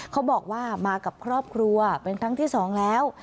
เขาบอกว่ามากับครอบครัวเป็นครั้งที่สองแล้ว